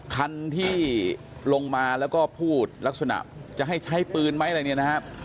คันที่ลงมาแล้วก็พูดลักษณะจะให้ใช้ปืนไหมอะไรเนี่ยนะครับ